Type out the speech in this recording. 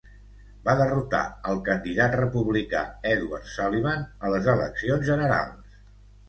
Va derrotar al candidat republicà, Edward Sullivan, a les eleccions generals.